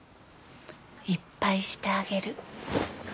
いっぱいしてあげる。